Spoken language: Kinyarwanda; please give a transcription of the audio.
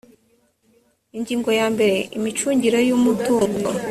ingingo ya mbere imicungire y umutungo